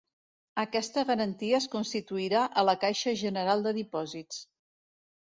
Aquesta garantia es constituirà a la Caixa General de Dipòsits.